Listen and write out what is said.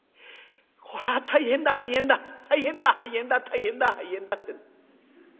これは大変だ肺炎だ大変だ肺炎だ大変だ肺炎だって。